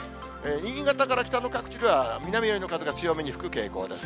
新潟から北の各地では、南寄りの風が強めに吹く傾向です。